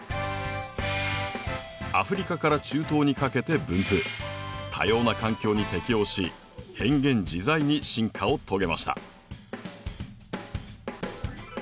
アフリカから中東にかけて分布多様な環境に適応し変幻自在に進化を遂げました。